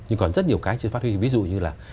nhưng còn rất nhiều cái chưa phát huy ví dụ như là